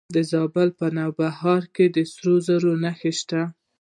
د زابل په نوبهار کې د سرو زرو نښې شته.